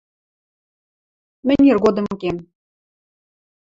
— Мӹнь иргодым кем...